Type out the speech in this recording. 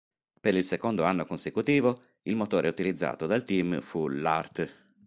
Per il secondo anno consecutivo il motore utilizzato dal team fu l'Hart.